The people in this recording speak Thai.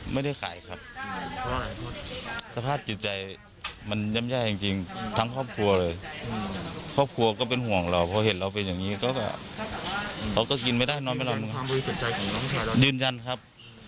ไม่ได้นอนไม่หลับยืนยันครับ